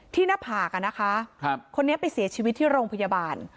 หน้าผากอ่ะนะคะคนนี้ไปเสียชีวิตที่โรงพยาบาล